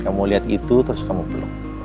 kamu lihat itu terus kamu peluk